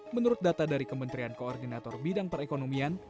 menurut data dari kementerian koordinator bidang perekonomian